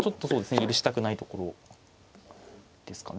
許したくないところですかね。